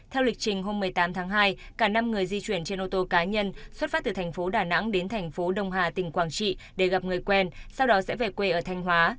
theo lịch trình hôm một mươi tám tháng hai cả năm người di chuyển trên ô tô cá nhân xuất phát từ thành phố đà nẵng đến thành phố đông hà tỉnh quảng trị để gặp người quen sau đó sẽ về quê ở thanh hóa